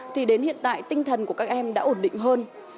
thì đến hiện tại tinh thần của các em đã ổn định hơn